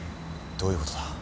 どういうことだ？